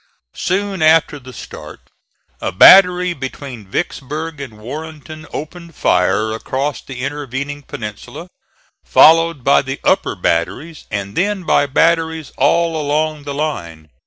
Soon after the start a battery between Vicksburg and Warrenton opened fire across the intervening peninsula, followed by the upper batteries, and then by batteries all along the line.